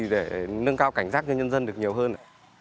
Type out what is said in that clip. để nâng cao cảnh giác cho nhân dân được nhiều hơn